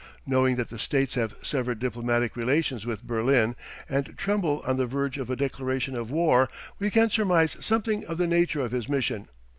Knowing that the States have severed diplomatic relations with Berlin and tremble on the verge of a declaration of war, we can surmise something of the nature of his mission.